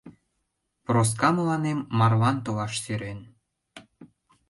Проска мыланем марлан толаш сӧрен...